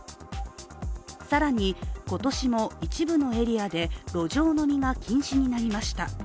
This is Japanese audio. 更に今年も一部のエリアで路上飲みが禁止になりました。